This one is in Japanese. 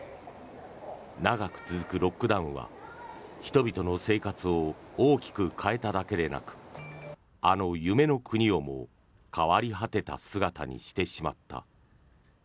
長く続くロックダウンは人々の生活を大きく変えただけでなくあの夢の国をも変わり果てた姿にしてしまった。